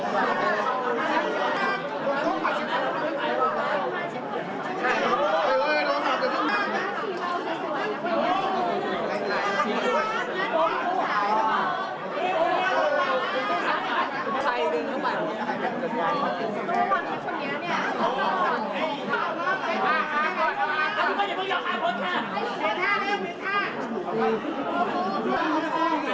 สวัสดีครับ